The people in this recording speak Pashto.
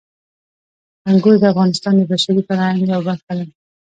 انګور د افغانستان د بشري فرهنګ یوه برخه ده.